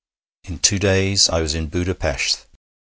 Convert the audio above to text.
In two days I was in Buda Pesth.